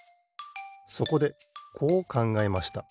そこでこうかんがえました。